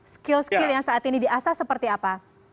skill skill yang saat ini di asas seperti apa